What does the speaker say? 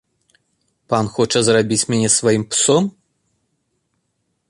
Пан хоча зрабіць мяне сваім псом?